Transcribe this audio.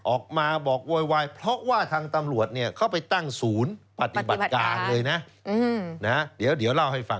ออกมาบอกวัยเพราะทางตำรวจเข้าไปตั้งศูนย์